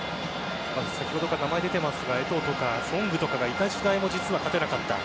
先ほどから名前が出ていますがエトーとかソングがいた時代から実は勝てなかった。